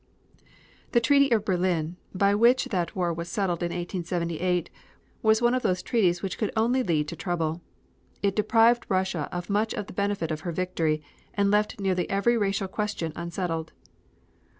The treaty of Berlin, by which that war was settled in 1878, was one of those treaties which could only lead to trouble. It deprived Russia of much of the benefit of her victory, and left nearly every racial question unsettled.